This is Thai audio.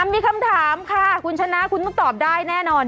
มีคำถามค่ะคุณชนะคุณต้องตอบได้แน่นอน